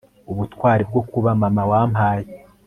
ubutwari bwo kuba mama wampaye